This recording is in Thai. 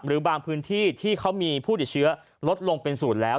หรือบางพื้นที่ที่เขามีผู้ติดเชื้อลดลงเป็นศูนย์แล้ว